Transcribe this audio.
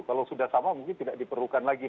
kalau sudah sama mungkin tidak diperlukan lagi